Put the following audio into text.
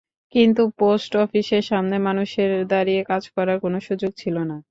কিন্তু পোস্ট অফিসের সামনে মানুষের দাঁড়িয়ে কাজ করার কোনো সুযোগ ছিল না।